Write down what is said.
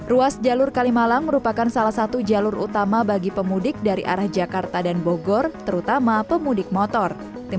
ruas jalur kalimalang merupakan salah satu jalur utama bagi pemudik dari arah jakarta dan bogor terutama pemudik motor